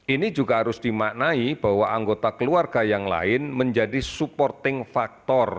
ini juga harus dimaknai bahwa anggota keluarga yang lain menjadi supporting factor